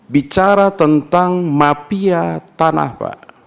bicara tentang mafia tanah pak